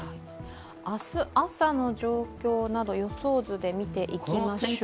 明日朝の状況など予想図で見ていきましょう。